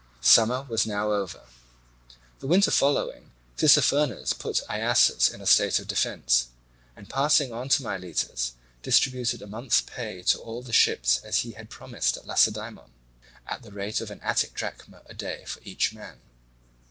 Summer was now over. The winter following, Tissaphernes put Iasus in a state of defence, and passing on to Miletus distributed a month's pay to all the ships as he had promised at Lacedaemon, at the rate of an Attic drachma a day for each man.